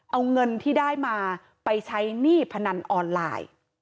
เอาเงินที่ได้มาไปใช้หนี้พนันออนไลน์